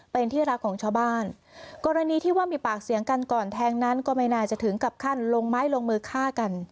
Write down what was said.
เป็นที่รักของชาวบ้านกรณีที่ว่ามีปากเสียงกันก่อนแทงนั้นก็ไม่น่าจะถึงกับขั้นลงไม้ลงมือฆ่ากัน